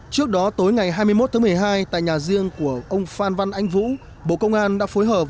trước đó tối ngày hai mươi một tháng một mươi hai tại nhà riêng của ông phan văn anh vũ bộ công an đã phối hợp